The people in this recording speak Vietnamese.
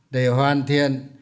để hoàn thiện